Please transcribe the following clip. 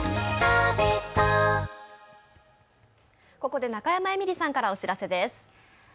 ここで中山エミリさんからお知らせです。